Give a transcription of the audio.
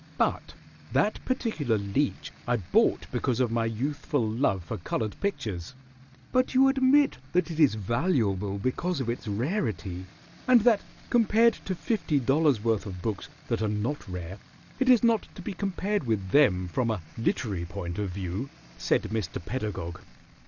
But that particular Leech I bought because of my youthful love for colored pictures." "But you admit that it is valuable because of its rarity, and that compared to fifty dollars' worth of books that are not rare it is not to be compared with them from a literary point of view?" said Mr. Pedagog.